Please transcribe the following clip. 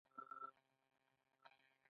اختلافات پیدا شول.